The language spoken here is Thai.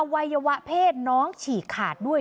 วัยวะเพศน้องฉีกขาดด้วย